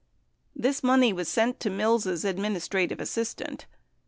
This money was sent to Mills' ad ministrative assistant.